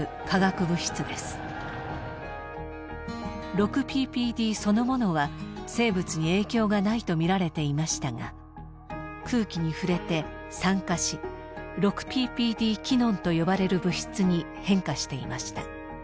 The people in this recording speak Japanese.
６ＰＰＤそのものは生物に影響がないとみられていましたが空気に触れて酸化し６ＰＰＤ−キノンと呼ばれる物質に変化していました。